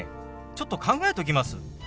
ちょっと考えときます。